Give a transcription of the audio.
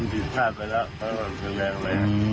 กินผิดผลาดไปแล้วก็คุณแรงเลยนะครับ